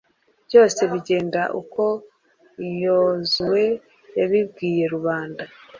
byose bigenda uko yozuwe yabibwiye rubanda